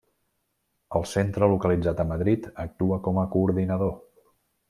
El centre localitzat a Madrid actua com a coordinador.